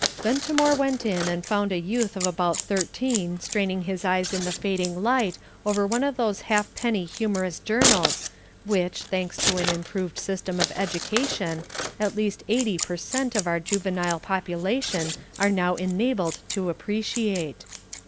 Ventimore went in and found a youth of about thirteen straining his eyes in the fading light over one of those halfpenny humorous journals which, thanks to an improved system of education, at least eighty per cent. of our juvenile population are now enabled to appreciate.